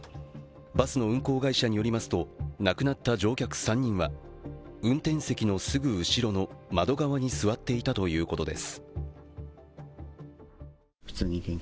バスの運行会社によりますと亡くなった乗客３人は運転席のすぐ後ろの窓側に座っていたということです。